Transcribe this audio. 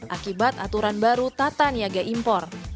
akibat aturan baru tata niaga impor